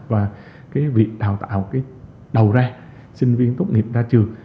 và việc đào tạo đầu ra sinh viên tốt nghiệp ra trường